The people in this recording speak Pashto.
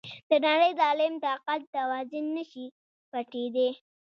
د نړی ظالم طاقت توازن نشي پټیدای.